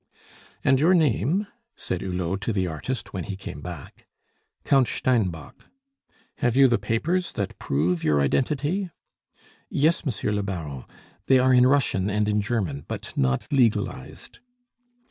"And your name?" said Hulot to the artist when he came back. "Count Steinbock." "Have you the papers that prove your identity?" "Yes, Monsieur le Baron. They are in Russian and in German, but not legalized."